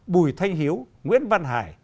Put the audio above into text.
bùi thanh hiếu nguyễn văn hải